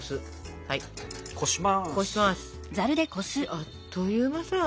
あっという間だ。